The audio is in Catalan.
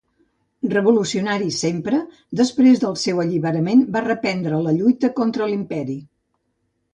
Revolucionari sempre, després del seu alliberament, va reprendre la lluita contra l'imperi.